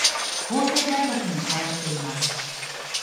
法政大学に通っています。